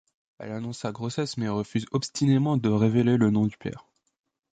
Elle annonce sa grossesse mais refuse obstinément de révéler le nom du père.